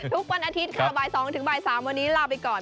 ทุกวันอาทิตย์ค่ะบ่าย๒ถึงบ่าย๓วันนี้ลาไปก่อน